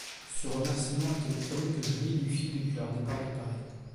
Ce remerciement était le premier que Julie lui fît depuis leur départ de Paris.